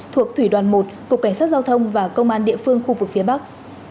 thuộc thủy đoàn một cục cảnh sát giao thông và công an địa phương khu vực phía bắc